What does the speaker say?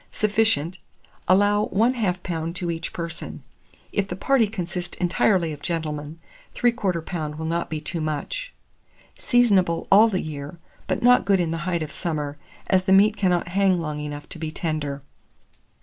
Sufficient. Allow 1/2 lb. to each person; if the party consist entirely of gentlemen, 3/4 lb. will not be too much. Seasonable all the year, but not good in the height of summer, as the meat cannot hang long enough to be tender.